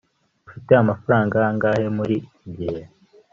ufite amafaranga angahe muri iki gihe